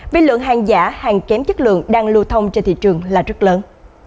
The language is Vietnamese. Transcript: vì lượng hàng giả hàng kém chất lượng đang lưu thông trên thị trường là rất lớn